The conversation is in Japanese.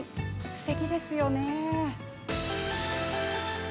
すてきですね。